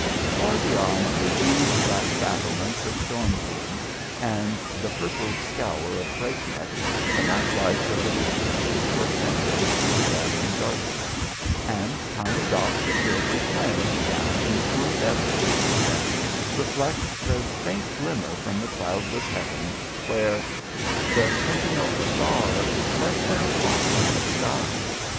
Far beyond the huge black battlements of Storm King and the purpled scaur of Breakneck the night lights of the distant city are twinkling through the gathering darkness, and tiny dots of silvery flame down in the cool depths beneath them reflect the faint glimmer from the cloudless heaven where "The sentinel stars set their watch in the sky."